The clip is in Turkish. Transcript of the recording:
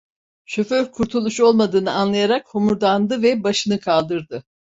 Şoför kurtuluş olmadığını anlayarak homurdandı ve başını kaldırdı.